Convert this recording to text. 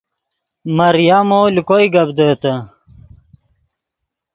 مریمو لے کوئے گپ دیہے تے